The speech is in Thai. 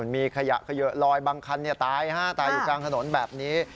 มีขยะเขยะลอยบางคันตายตายอยู่กลางถนนแบบนี้